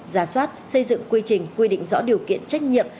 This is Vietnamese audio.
giả soát xây dựng quy trình quy định rõ điều kiện trách nhiệm